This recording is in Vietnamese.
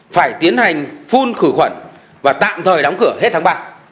phải tiến hành phun khử khuẩn và tạm thời đóng cửa hết tháng ba